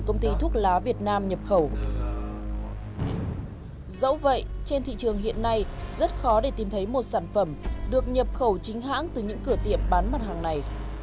dẫu vậy trên thị trường hiện nay rất khó để tìm thấy một sản phẩm được nhập khẩu chính hãng từ những cửa tiệm bán mặt hàng này